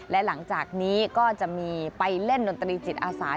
และหลังจากนี้ก็จะมีไปเล่นดนตรีจิตอาสา